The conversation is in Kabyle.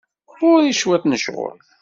Ɣer-i cwiṭ n ccɣel.